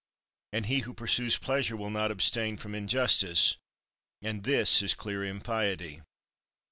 And he who pursues pleasure will not abstain from injustice, and this is clear impiety.